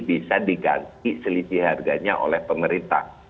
bisa diganti selisih harganya oleh pemerintah